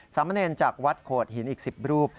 สามเณรจากวัดโขดหินอีก๑๐รูป